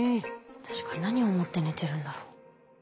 確かに何をもって寝てるんだろう？